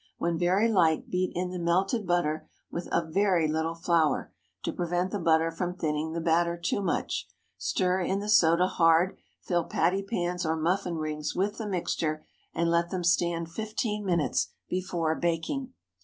When very light, beat in the melted butter, with a very little flour, to prevent the butter from thinning the batter too much; stir in the soda hard, fill pattypans or muffin rings with the mixture, and let them stand fifteen minutes before baking.